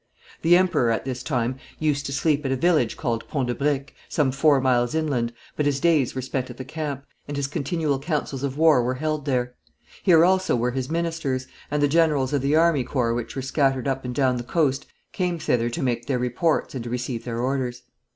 The Emperor at this time used to sleep at a village called Pont de Briques, some four miles inland, but his days were spent at the camp, and his continual councils of war were held there. Here also were his ministers, and the generals of the army corps which were scattered up and down the coast came thither to make their reports and to receive their orders.